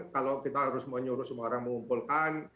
kalau kita harus menyuruh semua orang mengumpulkan